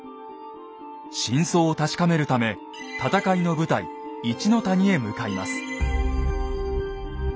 真相を確かめるため戦いの舞台一の谷へ向かいます。